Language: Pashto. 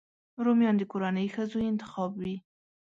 رومیان د کورنۍ ښځو انتخاب وي